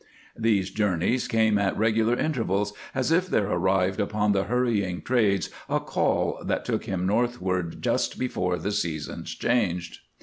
These journeys came at regular intervals, as if there arrived upon the hurrying trades a call that took him northward, just before the seasons changed.